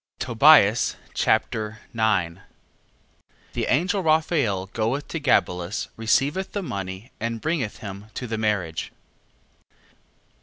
Tobias Chapter 9 The angel Raphael goeth to Gabelus, receiveth the money, and bringeth him to the marriage.